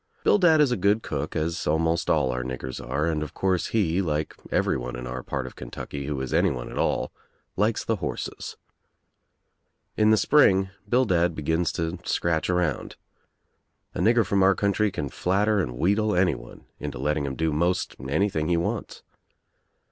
Bildad is a good cook as almost all our niggers are and of course he, like everyone in our part of Kentucky who is anyone at all, likes the horses. In the spring Bildad begins to scratch around. A nigger from our country can flatter and wheedle anyone into letting him do most anything he wants.